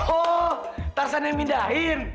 oh tarzan yang mindahin